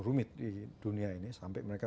rumit di dunia ini sampai mereka